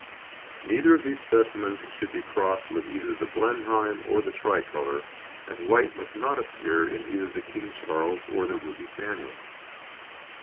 Neither of these specimens should be crossed with either the Blenheim or the Tricolour, as white must not appear in either the King Charles or the Ruby Spaniel.